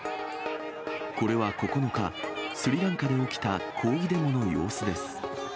これは９日、スリランカで起きた抗議デモの様子です。